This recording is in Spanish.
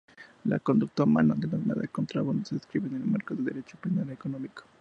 La conducta humana denominada contrabando se inscribe en el marco del derecho penal económico.